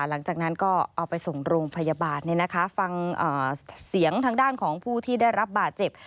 หลังจากนั้นก็เอาไปส่งโรงพยาบาลฟังเสียงทางด้านของผู้ที่ได้รับบาดเจ็บ